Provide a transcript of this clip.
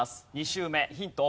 ２周目ヒント